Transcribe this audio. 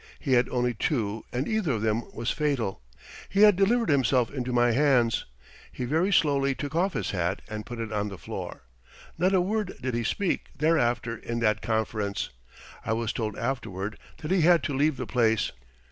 He had only two and either of them was fatal. He had delivered himself into my hands. He very slowly took off the hat and put it on the floor. Not a word did he speak thereafter in that conference. I was told afterward that he had to leave the place.